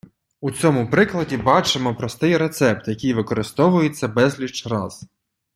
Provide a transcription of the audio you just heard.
У цьому прикладі бачимо простий рецепт, який використовується безліч раз.